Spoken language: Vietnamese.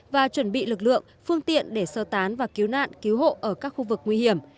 và chuẩn bị lực lượng phương tiện để sơ tán và cứu nạn cứu hộ ở các khu vực nguy hiểm